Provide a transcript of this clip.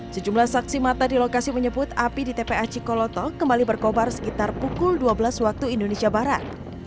sejumlah saksi mata di lokasi menyebut api di tpa cikoloto kembali berkobar sekitar pukul dua belas waktu indonesia barat